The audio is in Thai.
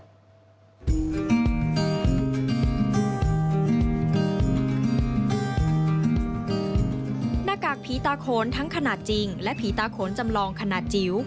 หน้ากากผีตาโขนทั้งขนาดจริงและผีตาโขนจำลองขนาดจิ๋ว